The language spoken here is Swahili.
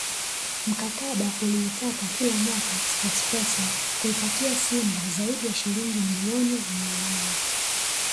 Mkataba uliitaka kila mwaka Sports pesa kuipatia Simba zaidi ya shilingi milioni mia nane